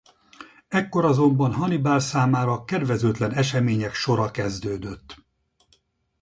Ekkor azonban Hannibal számára kedvezőtlen események sora kezdődött.